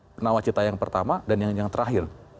penawacita yang pertama dan yang terakhir